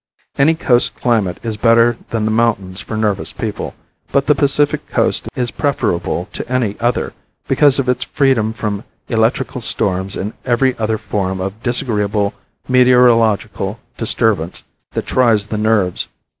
Any coast climate is better than the mountains for nervous people, but the Pacific Coast is preferable to any other because of its freedom from electrical storms and every other form of disagreeable meteorological disturbance that tries the nerves.